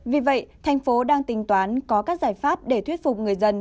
vì vậy thành phố đang tính toán có các giải pháp để thuyết phục người dân